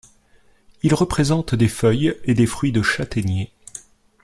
Ils représentent des feuilles et des fruits de châtaigniers.